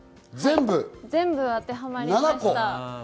全部当てはまりました。